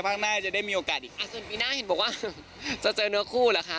ไม่ได้พี่แจ๊ค